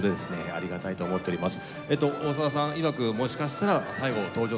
ありがたいと思っております。